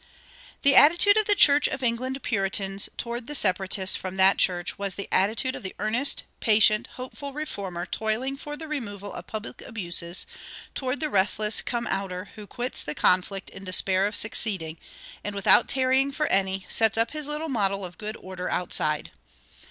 The attitude of the Church of England Puritans toward the Separatists from that church was the attitude of the earnest, patient, hopeful reformer toiling for the removal of public abuses, toward the restless "come outer" who quits the conflict in despair of succeeding, and, "without tarrying for any," sets up his little model of good order outside.